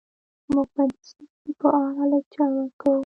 موږ به د څه شي په اړه لکچر ورکوو